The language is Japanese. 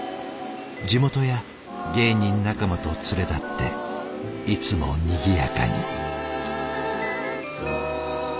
地元や芸人仲間と連れ立っていつもにぎやかに。